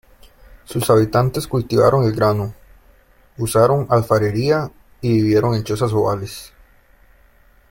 Sus habitantes cultivaron el grano, usaron alfarería y vivieron en chozas ovales.